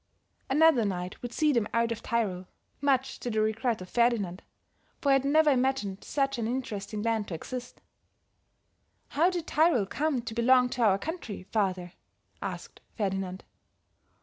Another night would see them out of Tyrol, much to the regret of Ferdinand, for he had never imagined such an interesting land to exist. "How did Tyrol come to belong to our country, father?" asked Ferdinand.